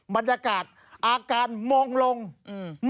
บรรยากาศอาการมงลงอืม